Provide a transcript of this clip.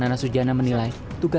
nanti silakan di data itu ya